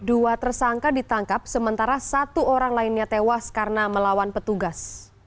dua tersangka ditangkap sementara satu orang lainnya tewas karena melawan petugas